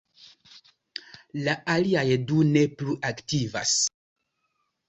La aliaj du ne plu aktivas.